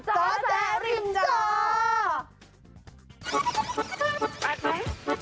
เจ้าแจ๊ริมเจ้า